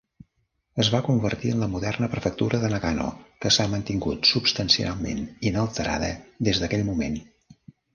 Es va convertir en la moderna prefectura de Nagano, que s'ha mantingut substancialment inalterada des d'aquell moment.